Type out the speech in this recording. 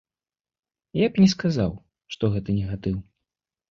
Я б не сказаў, што гэта негатыў.